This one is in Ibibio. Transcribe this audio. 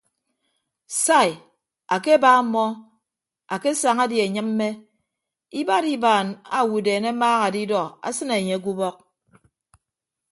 Sai akeba mọọ akesaña die anyịmme ibad ibaan owodeen amaaha adidọ asịne anye ke ubọk.